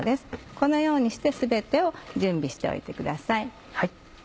このようにして全てを準備しておいてください。